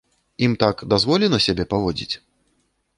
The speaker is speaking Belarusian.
Ім так дазволена сябе паводзіць?